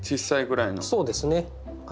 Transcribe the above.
そうですね。